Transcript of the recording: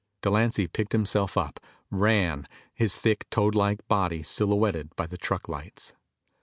Delancy picked himself up, ran, his thick, toadlike body silhouetted by the truck lights.